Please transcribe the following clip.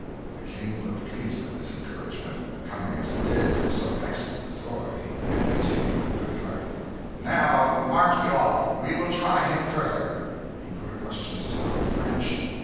The King looked pleased with this encouragement, coming as it did from so excellent authority, and continued with good heart "Now mark ye all: we will try him further." He put a question to Tom in French.